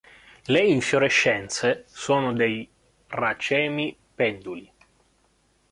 Le infiorescenze sono dei racemi penduli.